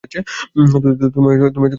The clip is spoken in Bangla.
তুমি কখনই আমার কথা শোন না।